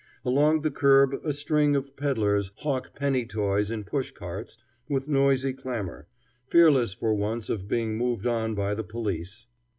Along the curb a string of peddlers hawk penny toys in push carts with noisy clamor, fearless for once of being moved on by the police.